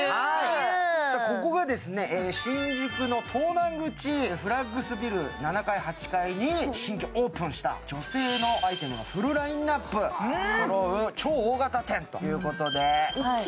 ここは新宿の東南口、フラッグスビル７階にオープンした、女性アイテムのフルラインナップそろう超大型店ということで。